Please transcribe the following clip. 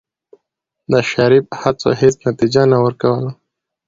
د شريف هڅو هېڅ نتيجه نه ورکوله.